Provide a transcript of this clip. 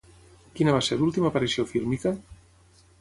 Quina va ser l'última aparició fílmica?